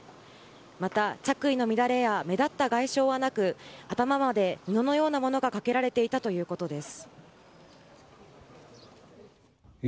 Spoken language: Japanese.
また、着衣の乱れや目立った外傷はなく頭まで布のようなものがかけられていたということです。